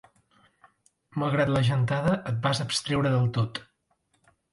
Malgrat la gentada, et vas abstreure del tot.